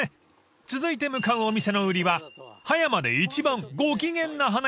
［続いて向かうお店の売りは葉山で一番ご機嫌な花屋さん］